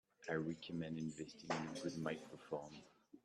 I recommend investing in a good microphone.